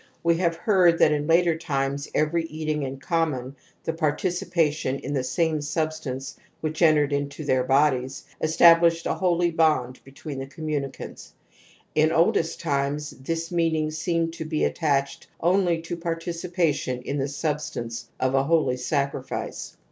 We have heard that /^ in later tim^i^very eating in common, the parti cipation in tnfe same substance which entered into their bodies, estaH ished a holy bond b etween the commimicants^ in oldest time this meaning seemed to be attached only to participation in the substance of a holy sacrifice.